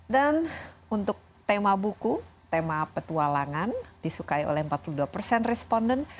dan untuk tema buku tema petualangan disukai oleh empat puluh dua persen responden